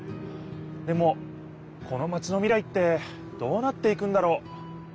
でもこのマチの未来ってどうなっていくんだろう？